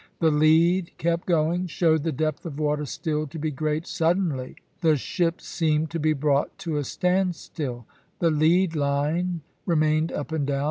The lead kept going, showed the depth of water still to be great. Suddenly the ship seemed to be brought to a standstill; the lead line remained up and down.